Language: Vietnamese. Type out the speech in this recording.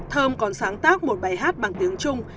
thơm còn sáng tác một bài hát bằng tiếng trung